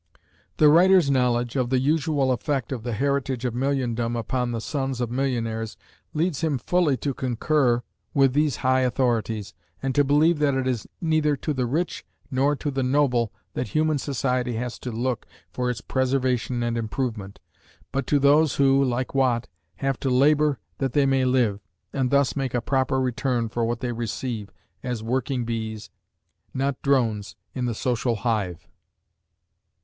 The writer's knowledge of the usual effect of the heritage of milliondom upon the sons of millionaires leads him fully to concur with these high authorities, and to believe that it is neither to the rich nor to the noble that human society has to look for its preservation and improvement, but to those who, like Watt, have to labor that they may live, and thus make a proper return for what they receive, as working bees, not drones, in the social hive.